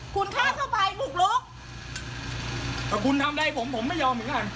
คุณฆ่าเข้าไปบุกลุกแต่คุณทำอะไรผมผมไม่ยอมเหมือนกัน